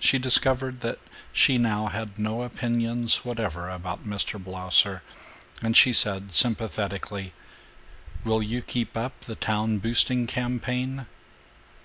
She discovered that she now had no opinions whatever about Mr. Blausser, and she said sympathetically, "Will you keep up the town boosting campaign?"